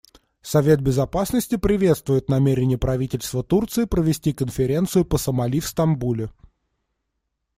Совет Безопасности приветствует намерение правительства Турции провести конференцию по Сомали в Стамбуле.